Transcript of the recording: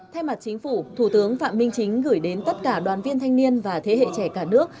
thay mặt chính phủ thủ tướng phạm minh chính gửi đến tất cả đoàn viên thanh niên và thế hệ trẻ cả nước